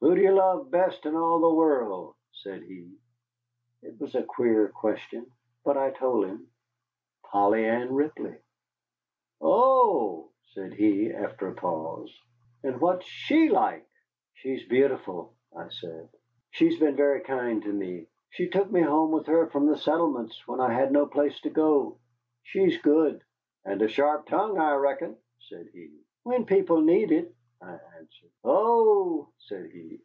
"Who do you love best in all the world?" said he. It was a queer question. But I told him Polly Ann Ripley. "Oh!" said he, after a pause. "And what's she like?" "She's beautiful," I said; "she's been very kind to me. She took me home with her from the settlements when I had no place to go. She's good." "And a sharp tongue, I reckon," said he. "When people need it," I answered. "Oh!" said he.